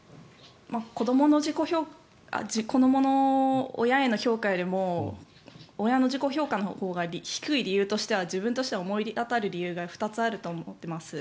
子どもの親への評価よりも親の自己評価のほうが低い理由としては自分としては思い当たる理由が２つあると思っています。